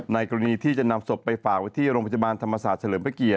กรณีที่จะนำศพไปฝากไว้ที่โรงพยาบาลธรรมศาสตร์เฉลิมพระเกียรติ